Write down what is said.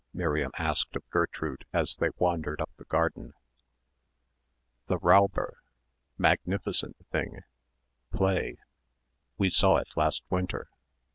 Miriam asked of Gertrude as they wandered up the garden. "'The Räuber.' Magnificent thing. Play. We saw it last winter."